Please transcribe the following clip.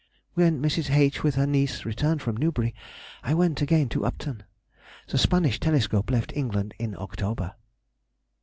_—When Mrs. H., with her niece, returned from Newbury, I went again to Upton. The Spanish telescope left England in October.